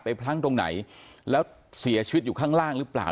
พลั้งตรงไหนแล้วเสียชีวิตอยู่ข้างล่างหรือเปล่า